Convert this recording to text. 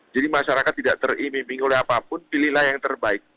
jadi masyarakat tidak terimbing oleh apapun pilihlah yang terbaik